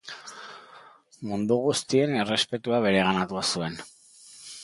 Mundu guztien errespetua bereganatua zuen.